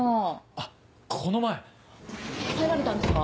あっこの前。入られたんですか？